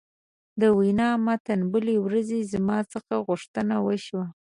د وینا متن: بلې ورځې زما څخه غوښتنه وشوه.